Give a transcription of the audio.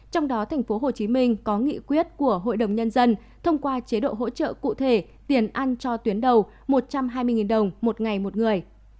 trong đó tp hcm có nghị quyết của hội đồng nhân dân thông qua chế độ hỗ trợ cụ thể tiền ăn cho tuyến đầu một trăm hai mươi đồng một ngày một người